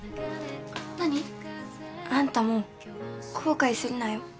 何？あんたも後悔するなよ。